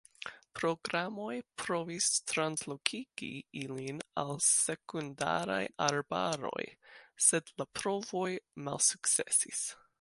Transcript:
Programoj provis translokigi ilin al sekundaraj arbaroj, sed la provoj malsukcesis.